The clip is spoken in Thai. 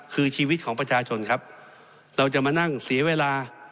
คือชีวิตของประชาชนครับเราจะมานั่งเสียเวลา